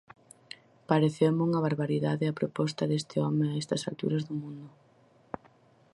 Pareceume unha barbaridade a proposta deste home a estas alturas do mundo.